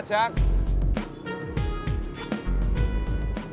tidak ada yang naksir